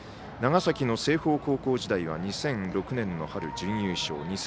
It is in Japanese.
長崎の清峰高校時代は２００６年の春、準優勝。